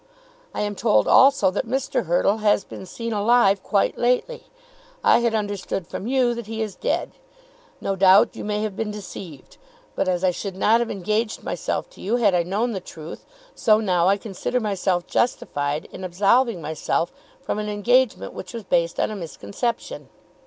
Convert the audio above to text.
I am told also that Mr. Hurtle has been seen alive quite lately. I had understood from you that he is dead. No doubt you may have been deceived. But as I should not have engaged myself to you had I known the truth, so now I consider myself justified in absolving myself from an engagement which was based on a misconception."